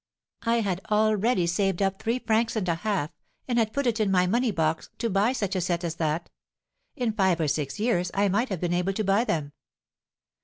I had already saved up three francs and a half, and had put it in my money box, to buy such a set as that. In five or six years I might have been able to buy them."